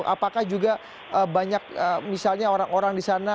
apakah juga banyak misalnya orang orang di sana